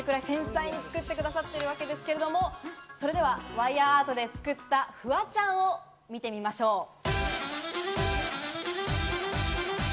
繊細に作ってくださっているわけですけれど、それではワイヤアートで作ったフワちゃんを見てみましょう。